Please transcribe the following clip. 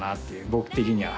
僕的には。